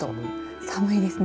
寒いですね。